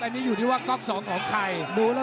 อันนี้หรือว่าก็ก๒ของใคร